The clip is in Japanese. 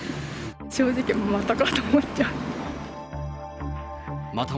正直、またかと思っちゃった。